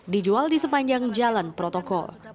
dijual di sepanjang jalan protokol